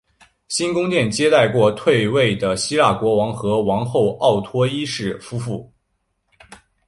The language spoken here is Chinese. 新宫殿接待过退位的希腊国王和王后奥托一世夫妇。